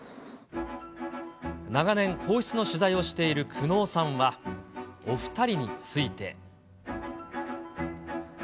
長年皇室の取材をしている久能さんは、お２人について。